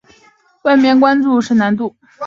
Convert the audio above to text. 卫冕冠军是拿度。